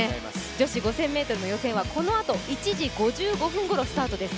女子５０００ｍの予選は１時４５分からスタートです。